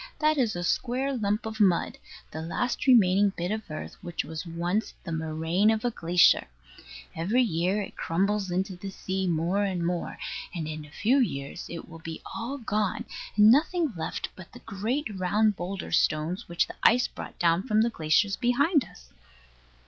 That is a square lump of mud, the last remaining bit of earth which was once the moraine of a glacier. Every year it crumbles into the sea more and more; and in a few years it will be all gone, and nothing left but the great round boulder stones which the ice brought down from the glaciers behind us.